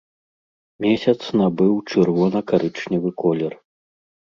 Месяц набыў чырвона-карычневы колер.